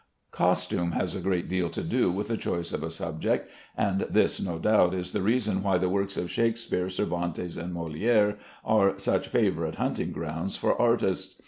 Costume has a great deal to do with the choice of a subject, and this, no doubt, is the reason why the works of Shakespeare, Cervantes, and Molière are such favorite hunting grounds for artists.